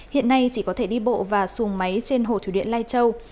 hiện nay chỉ có thể đi bộ và xuồng máy trên hồ thủy điện lai châu